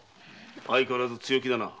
相変わらず強気だな。